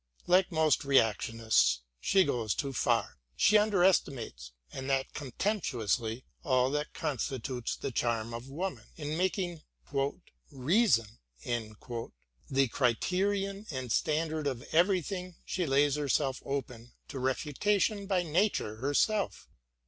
Like most reactionists she goes too far. She under estimates, and that contemp tuously, all that constitutes the charm of woman. In making " reason " the criterion and standard of everything she lays herself open to refutation by Nature herself.